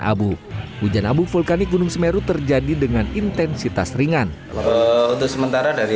abu hujan abu vulkanik gunung semeru terjadi dengan intensitas ringan untuk sementara dari